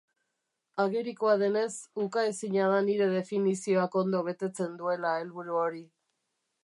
Agerikoa denez, ukaezina da nire definizioak ondo betetzen duela helburu hori.